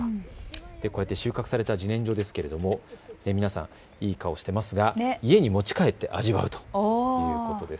こうやって収穫されたじねんじょですが皆さん、いい顔してますが、家に持ち帰って味わうということです。